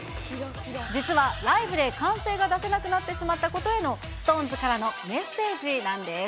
実はライブで歓声が出せなくなってしまったことへのＳｉｘＴＯＮＥＳからのメッセージなんです。